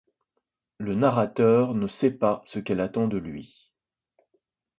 Le narrateur ne sait pas ce qu'elle attend de lui.